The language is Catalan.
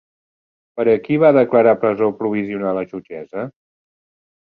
Per a qui va declarar presó provisional la jutgessa?